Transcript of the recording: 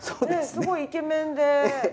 すごいイケメンで。